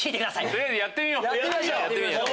取りあえずやってみよう！